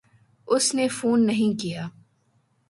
اس نے فون نہیں کیا۔